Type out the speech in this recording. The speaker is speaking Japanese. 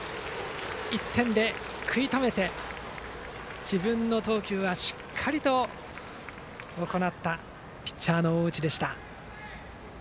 １点で食い止めて自分の投球、しっかりと行ったピッチャーの大内でした。